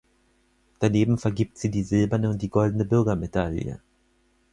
Daneben vergibt sie die silberne und die goldene Bürgermedaille.